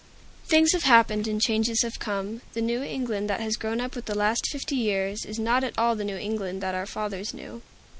Things have happened, and changes have come. The New England that has grown up with the last fifty years is not at all the New England that our fathers knew.